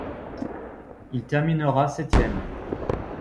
Il terminera septième.